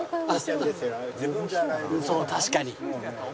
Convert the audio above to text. そう確かに。